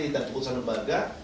dan keputusan lembaga